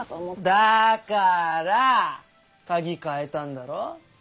だからぁ鍵替えたんだろ？